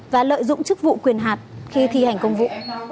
và lợi dụng chức vụ quyền hạn khi thi hành công vụ